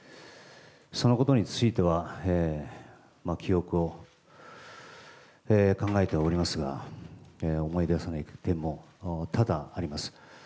そのことについては、記憶を考えてはおりますが、思い出せない点も多々あります。